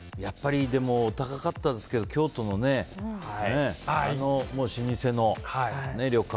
お高かったですけど京都の老舗の旅館。